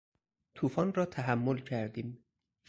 توفان را تحمل کردیم.